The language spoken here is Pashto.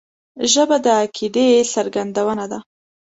ژبه د عقیدې څرګندونه ده